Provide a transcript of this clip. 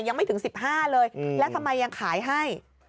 ยังไม่ถึง๑๕เลยแล้วทำไมยังขายให้